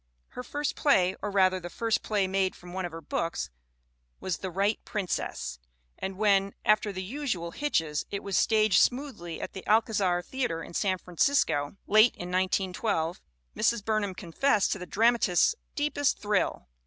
Her first play, or rather the first play made from one of her books, was The Right Princess, and when, after the usual hitches, it was staged smoothly at the Alcazar Theater in San Francisco late in 1912, Mrs. Burnham confessed to the dramatist's deepest thrill.